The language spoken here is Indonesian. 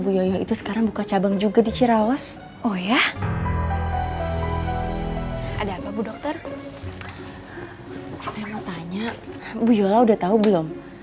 bu yola udah tau belum